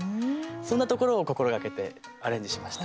そんなところを心がけてアレンジしました。